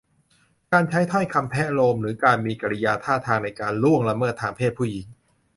การใช้ถ้อยคำแทะโลม หรือการมีกิริยาท่าทางในการล่วงละเมิดทางเพศผู้หญิง